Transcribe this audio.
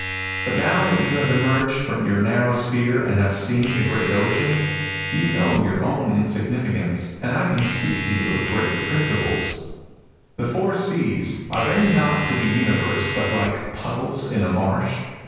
But now that you have emerged from your narrow sphere and have seen the great ocean, you know your own insignificance, and I can speak to you of great principles. ... 40 MUSINGS OF A CHINESE MYSTIC " The Four Seas — are they not to the universe but like puddles in a marsh